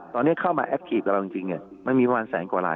ตอนนี้เข้ามาแอคทีฟกับเราจริงเนี่ยมันมีประมาณแสนกว่าลาย